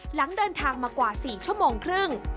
หลังเดินทางมากว่า๔ชั่วโมงครึ่ง